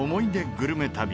グルメ旅。